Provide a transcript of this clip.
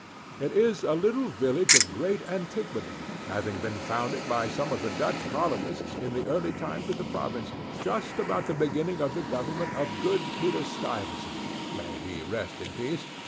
It is a little village of great[Pg 2] antiquity, having been founded by some of the Dutch colonists, in the early times of the province, just about the beginning of the government of the good Peter Stuyvesant, (may he rest in peace!)